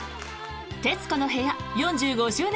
「徹子の部屋４５周年